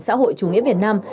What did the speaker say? xã hội chủ nghĩa việt nam